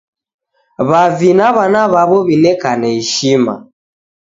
W'avi na w'ana w'awo w'inekane ishima